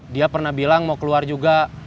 dia pernah bilang mau keluar juga